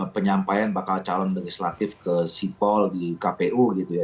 penyampaian bakal calon legislatif ke sipol di kpu gitu ya